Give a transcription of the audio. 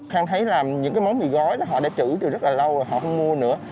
khang thấy làm những cái món mì gói đó họ đã trữ từ rất là lâu rồi họ không mua nữa